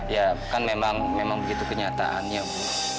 ya kan memang begitu kenyataannya bu